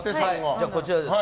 こちらです。